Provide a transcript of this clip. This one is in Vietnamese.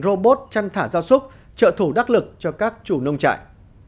robot chăn thả ra súc trợ thủ đắc lực cho các chủ nông trại